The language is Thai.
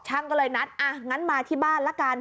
ก็เลยนัดอ่ะงั้นมาที่บ้านละกัน